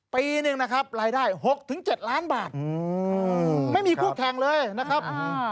ปีหนึ่งนะครับรายได้๖๗ล้านบาทไม่มีคู่แข่งเลยนะครับ